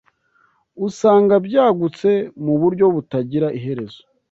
usanga byagutse mu buryo butagira iherezo